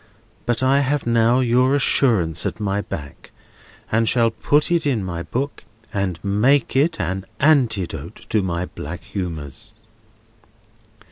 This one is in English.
But I have now your assurance at my back, and shall put it in my book, and make it an antidote to my black humours."